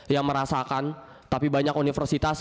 yang merasakan tapi banyak universitas